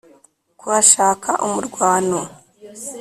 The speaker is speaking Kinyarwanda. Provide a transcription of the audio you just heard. Kuhashaka umurwano